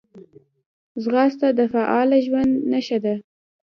ځغاسته د فعاله ژوند نښه ده